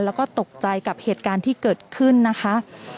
แล้วก็ตกใจกับเหตุการณ์ที่เกิดขึ้นนะคะ